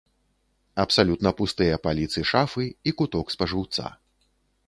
Абсалютна пустыя паліцы шафы і куток спажыўца.